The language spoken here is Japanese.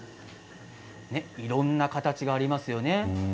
いろいろな形がありますよね。